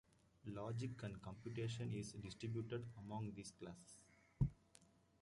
Logic and computation is distributed among these classes.